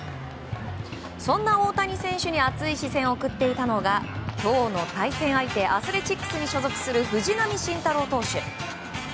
そんな大谷選手に熱い視線を送っていたのが今日の対戦相手アスレチックスに所属する藤浪晋太郎投手。